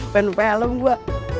pengen film gua